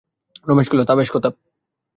রমেশ কহিল, তা, বেশ কথা।